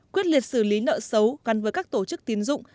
quyết liệt xử lý nợ xấu gắn với các tổ chức tiến dụng